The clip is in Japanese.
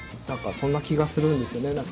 何かそんな気がするんですよね。